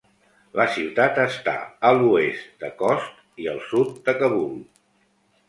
La ciutat està a l'oest de Khost i al sud de Kabul.